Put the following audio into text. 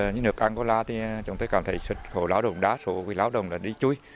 như nước angola thì chúng tôi cảm thấy xuất khẩu lao động đá số vì lao động là đi chui